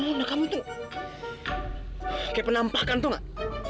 nona kamu itu kayak penampakan tau gak